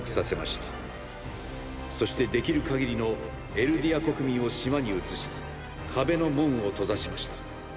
そしてできる限りのエルディア国民を島に移し壁の門を閉ざしました。